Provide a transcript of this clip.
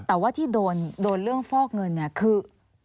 แต่ว่าที่โดนเรื่องฟอกเงินเนี่ยคือ